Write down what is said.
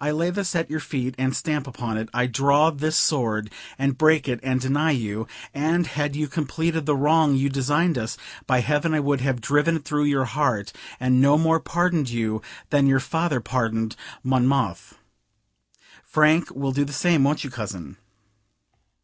I lay this at your feet and stamp upon it: I draw this sword, and break it and deny you; and, had you completed the wrong you designed us, by heaven I would have driven it through your heart, and no more pardoned you than your father pardoned Monmouth. Frank will do the same, won't you, cousin?"